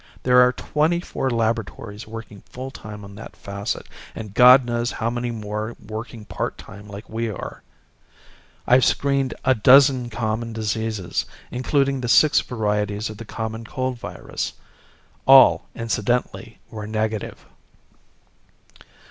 There are twenty four laboratories working full time on that facet and God knows how many more working part time like we are. I've screened a dozen common diseases, including the six varieties of the common cold virus. All, incidentally, were negative."